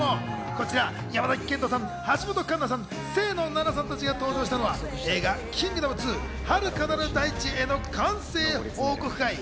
こちら山崎賢人さん、橋本環奈さん、清野菜名さんたちが登場したのは映画『キングダム２遥かなる大地へ』の完成報告会。